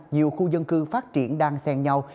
nhiều khu dân cư phát triển đang xen nhau